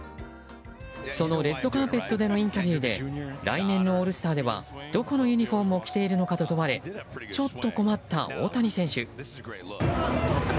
そのレッドカーペットでのインタビューで来年のオールスターではどこのユニホームを着ているのかと問われちょっと困った大谷選手。